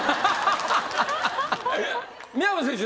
宮部選手